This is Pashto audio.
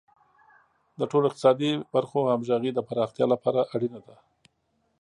د ټولو اقتصادي برخو همغږي د پراختیا لپاره اړینه ده.